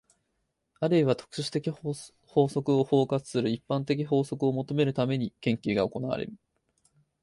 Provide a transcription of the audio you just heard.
あるいは特殊的法則を包括する一般的法則を求めるために、研究が行われる。